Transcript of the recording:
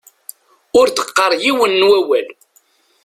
Ur d-qqar yiwen n wawal.